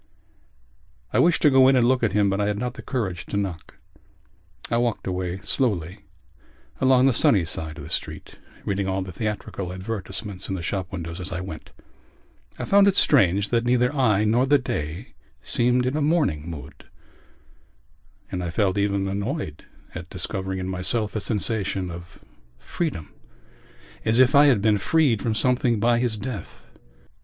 I wished to go in and look at him but I had not the courage to knock. I walked away slowly along the sunny side of the street, reading all the theatrical advertisements in the shop windows as I went. I found it strange that neither I nor the day seemed in a mourning mood and I felt even annoyed at discovering in myself a sensation of freedom as if I had been freed from something by his death.